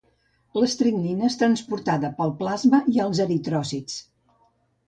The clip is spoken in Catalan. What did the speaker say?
L'estricnina és transportada pel plasma i els eritròcits.